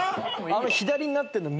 あの左になってんの。